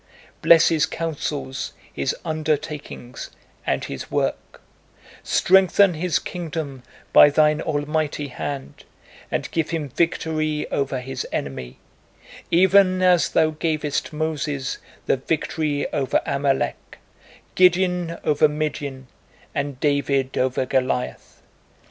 Bless his counsels, his undertakings, and his work; strengthen his kingdom by Thine almighty hand, and give him victory over his enemy, even as Thou gavest Moses the victory over Amalek, Gideon over Midian, and David over Goliath.